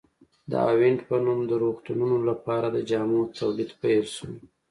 د اوینټ په نوم د روغتونونو لپاره د جامو تولید پیل شو.